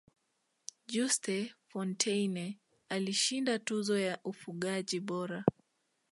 juste fontaine alishinda tuzo ya ufungaji bora